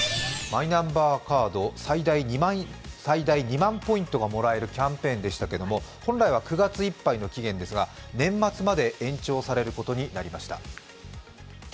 マイナンバーカード、最大２万ポイントがもらえるキャンペーンでしたけども本来は９月いっぱいの期限ですが年末まで延長されることになりました。